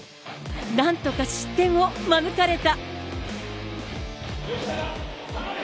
なんとか失点を免れた。